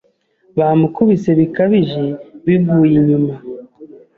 Bamukubise bikabije bivuye inyuma